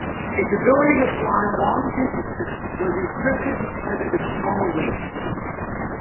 Its ability to fly long distances was restricted because of its small wings.